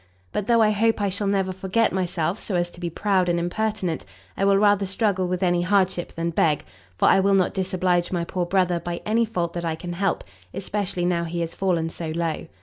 But though I hope I shall never forget myself so as to be proud and impertinent, I will rather struggle with any hardship than beg, for I will not disoblige my poor brother by any fault that I can help, especially now he is fallen so low.